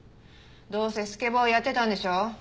どうせスケボーやってたんでしょ？